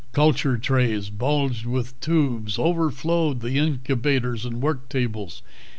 Culture trays bulged with tubes, overflowed the incubators and work tables.